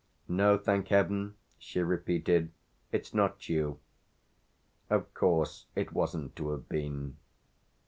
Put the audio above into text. "No, thank heaven," she repeated, "it's not you! Of course it wasn't to have been."